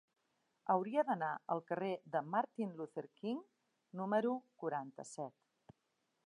Hauria d'anar al carrer de Martin Luther King número quaranta-set.